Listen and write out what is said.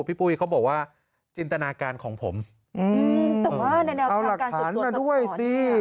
พี่ปุ๊ยเขาบอกว่าจินตนาการของผมอืมแต่ว่าในแนวพิธีการการสุดสวยสักพอดี